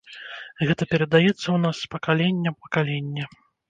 Гэта перадаецца ў нас з пакалення ў пакаленне!